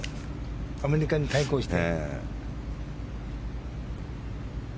アメリカに対抗して。